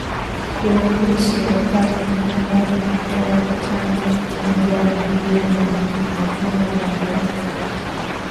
viazi lishe hekari moja hutoa tani mojambili ya mavuno ya viazi